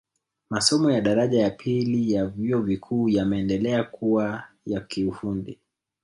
Masomo ya daraja ya pili ya vyuo vikuu yameendelea kuwa ya kiufundi